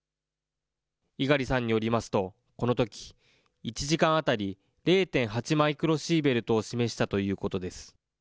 猪狩さんによりますと、このとき、１時間当たり０．８マイクロシーベルトを示したということです。